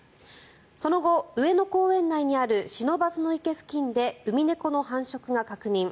その後、上野公園内にある不忍池付近でウミネコの繁殖が確認。